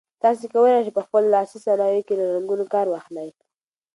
تاسي کولای شئ په خپلو لاسي صنایعو کې له رنګونو کار واخلئ.